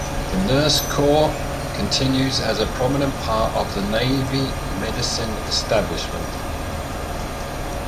The Nurse Corps continues as a prominent part of the Navy Medicine establishment.